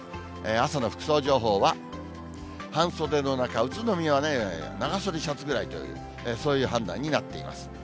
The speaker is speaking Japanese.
朝の服装情報は、半袖の中、宇都宮は長袖シャツぐらいという、そういう判断になっています。